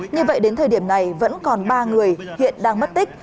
như vậy đến thời điểm này vẫn còn ba người hiện đang mất tích